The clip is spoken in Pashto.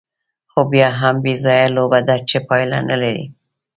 خو بیا هم یوه بېځایه لوبه ده، چې پایله نه لري.